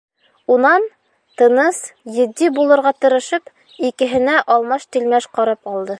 Унан, тыныс, етди булырға тырышып, икеһенә алмаш-тилмәш ҡарап алды.